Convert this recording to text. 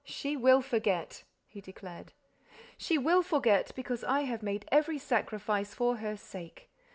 "She will forget!" he declared. "She will forget, because I have made every sacrifice for her sake.